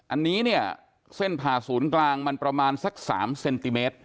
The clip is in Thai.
อันนี้เนี่ยเส้นผ่าศูนย์กลางมันประมาณสัก๓เซนติเมตร